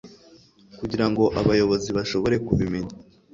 kugira ngo abayobozi bashobore kubimenya